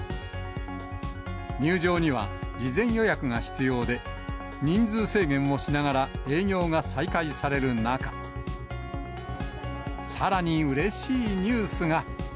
入場には事前予約が必要で、人数制限をしながら営業が再開される中、さらにうれしいニュースが。